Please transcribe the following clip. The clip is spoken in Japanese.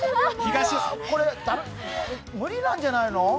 これ、無理なんじゃないの？